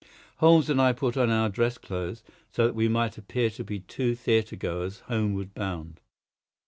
Holmes and I put on our dress clothes, so that we might appear to be two theatre goers homeward bound.